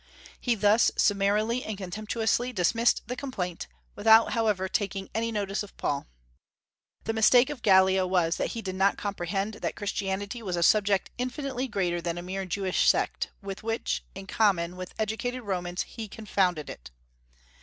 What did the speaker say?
He thus summarily and contemptuously dismissed the complaint, without however taking any notice of Paul. The mistake of Gallio was that he did not comprehend that Christianity was a subject infinitely greater than a mere Jewish sect, with which, in common with educated Romans, he confounded it.